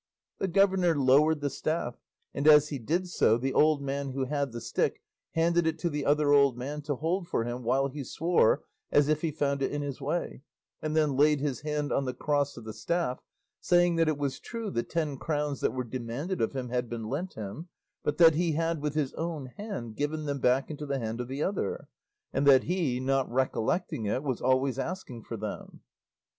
The governor lowered the staff, and as he did so the old man who had the stick handed it to the other old man to hold for him while he swore, as if he found it in his way; and then laid his hand on the cross of the staff, saying that it was true the ten crowns that were demanded of him had been lent him; but that he had with his own hand given them back into the hand of the other, and that he, not recollecting it, was always asking for them.